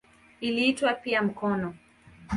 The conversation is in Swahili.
Iliitwa pia "mkono".